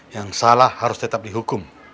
yang salah harus tetap dihukum